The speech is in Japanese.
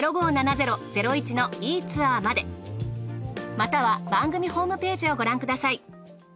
または番組ホームページをご覧ください。